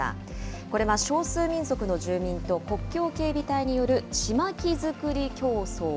これは少数民族の住民と、国境警備隊による、競争？